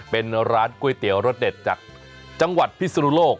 เป็นร้านก๋วยเตี๋ยวรสเด็ดจากจังหวัดพิศนุโลก